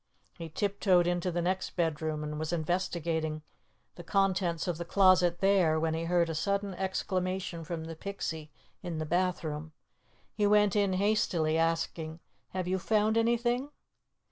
He tiptoed into the next bedroom and was investigating the contents of the closet there, when he heard a sudden exclamation from the Pixie in the bathroom. He went in hastily, asking, "Have you found anything?"